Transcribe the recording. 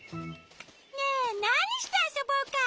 ねえなにしてあそぼうか！